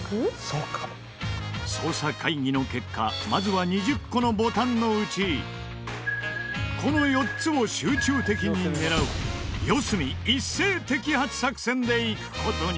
「そうかも」捜査会議の結果まずは２０個のボタンのうちこの４つを集中的に狙う四隅一斉摘発作戦でいく事に。